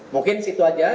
mungkin situ saja